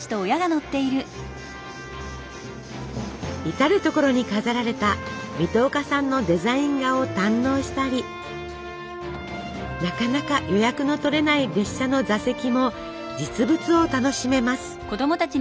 至る所に飾られた水戸岡さんのデザイン画を堪能したりなかなか予約の取れない列車の座席も実物を楽しめます。